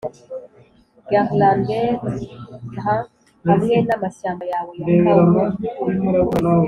garlanded grand hamwe namashyamba yawe ya kauri,